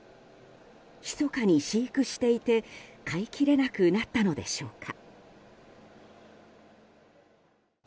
ひそかに飼育していて飼いきれなくなったのでしょうか。